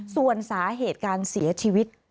ส่วนสาเหตุการเสียชีวิต